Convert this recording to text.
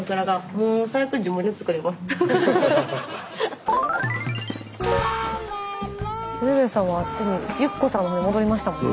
もうスタジオ鶴瓶さんはあっちにユッコさんに戻りましたもんね。